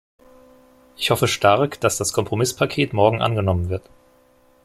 Ich hoffe stark, dass das Kompromisspaket morgen angenommen wird.